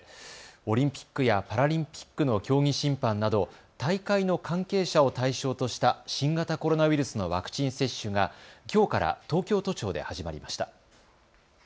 オリンピックやパラリンピックの競技審判など大会の関係者を対象とした新型コロナウイルスのワクチン接種が、きょうから東京都庁で始まりました。